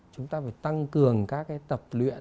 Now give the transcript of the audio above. chúng ta phải tăng cường các cái tập luyện